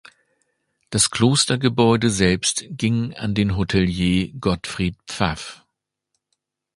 Das Klostergebäude selbst ging an den Hotelier Gottfried Pfaff.